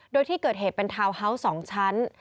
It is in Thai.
โดยที่เกิดเหตุเป็นทาวน์ฮาวส์๒ชั้น